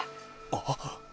あっ。